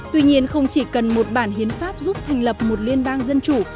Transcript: tuy nhiên không chỉ cần một bản hiến pháp giúp thành lập một liên bang dân chủ